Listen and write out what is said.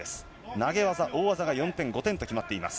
投げ技、大技が４点、５点と決まっています。